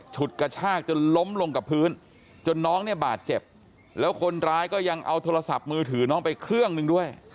ฉุดกระชากจนล้มลงกับพื้นจนน้องเนี่ยบาดเจ็บแล้วคนร้ายก็ยังเอาโทรศัพท์มือถือน้องไปเครื่องหนึ่งด้วย